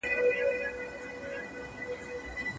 که ټولنه بې پروا وي، اخلاق له منځه ځي.